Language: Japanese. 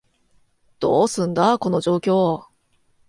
どうすんだ、この状況？